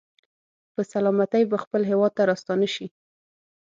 په سلامتۍ به خپل هېواد ته راستانه شي.